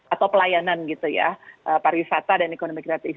atau pelayanan gitu ya pariwisata dan ekonomi kreatif